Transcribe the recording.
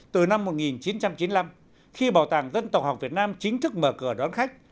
từ năm một nghìn chín trăm chín mươi năm khi bảo tàng dân tộc học việt nam chính thức mở cửa đón khách